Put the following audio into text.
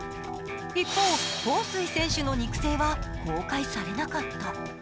一方、彭帥選手の肉声は公開されなかった。